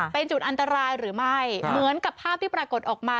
เป็นจุดอันตรายหรือไม่เหมือนกับภาพที่ปรากฏออกมา